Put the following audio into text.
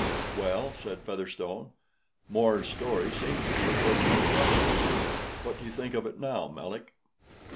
"Well," said Featherstone, "More's story seems to be approaching a crisis. What do you think of it now, Melick?